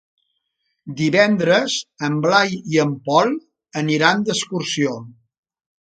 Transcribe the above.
Divendres en Blai i en Pol aniran d'excursió.